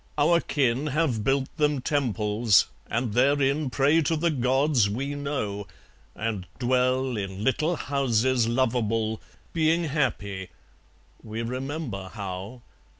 Our kin Have built them temples, and therein Pray to the Gods we know; and dwell In little houses lovable, Being happy (we remember how!)